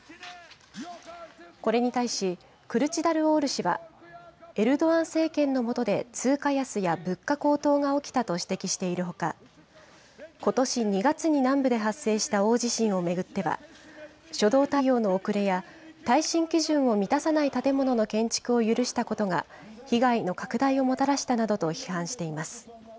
これに対し、クルチダルオール氏はエルドアン政権の下で通貨安や物価高騰が起きたと指摘しているほか、ことし２月に南部で発生した大地震を巡っては、初動対応の遅れや、耐震基準を満たさない建物の建築を許したことが、被害の拡大をもたらしたなどと、批判しています。